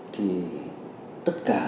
thì tất cả